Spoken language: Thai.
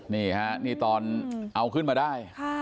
นี่ฮะนี่ตอนเอาขึ้นมาได้